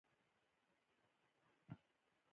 د هېڅ مذهب پیروان حق نه لري.